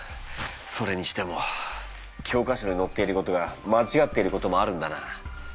それにしても教科書にのっていることがまちがっていることもあるんだな。